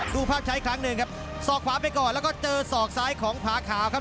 ดูภาพใช้อีกครั้งหนึ่งครับศอกขวาไปก่อนแล้วก็เจอศอกซ้ายของผาขาวครับ